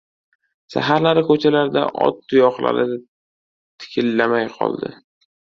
Saharlari ko‘chalarda ot tuyoqlari tikillamay qoldi.